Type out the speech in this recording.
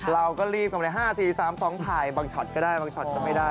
เราก็รีบกันเลย๕๔๓๒ถ่ายบางช็อตก็ได้บางช็อตก็ไม่ได้